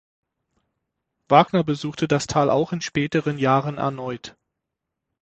Wagner besuchte das Tal auch in späteren Jahren erneut.